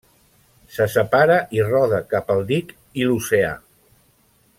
Se separa i roda cap al dic i l'oceà.